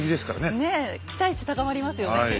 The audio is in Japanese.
ねえ期待値高まりますよね。